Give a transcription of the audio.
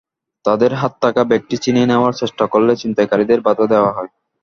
তাঁদের হাতে থাকা ব্যাগটি ছিনিয়ে নেওয়ার চেষ্টা করলে ছিনতাইকারীদের বাধা দেওয়া হয়।